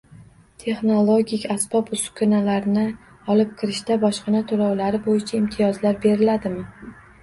Texnologik asbob-uskunalarni olib kirishda bojxona to’lovlari bo’yicha imtiyozlar beriladimi?